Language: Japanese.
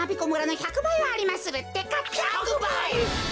１００ばい！